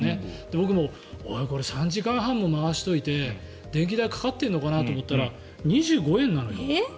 僕、おい、これ３時間半も回しておいて電気代かかってるのかなって思ったら２５円なのよ。